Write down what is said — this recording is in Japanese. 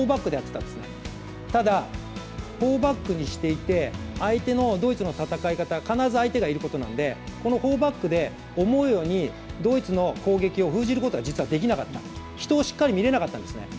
前半はフォーバックにしていて、相手のドイツの戦い方は、相手がいることなのでこのフォーバックで思うようにドイツの攻撃を封じることができなかった、人をしっかり見れなかったんですね。